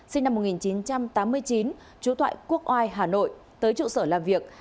sinh năm một nghìn chín trăm tám mươi chín trú tại quốc oai hà nội tới trụ sở làm việc